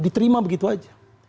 diterima begitu aja